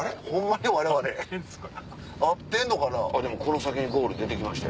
でもこの先ゴール出て来ましたよ。